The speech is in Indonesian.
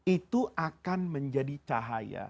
itu akan menjadi cahaya